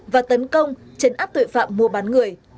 và tấn công chấn áp tội phạm mua bán người